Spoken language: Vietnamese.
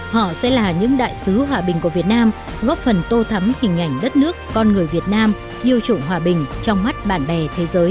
họ sẽ là những đại sứ hòa bình của việt nam góp phần tô thắm hình ảnh đất nước con người việt nam yêu trụng hòa bình trong mắt bạn bè thế giới